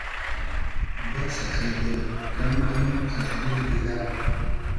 بئسۂ اݷ دیل کئم کئنو از دیل گیلۂ